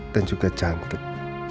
dan juga cantik